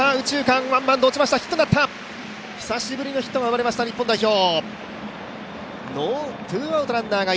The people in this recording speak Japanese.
久しぶりのヒットが生まれました日本代表。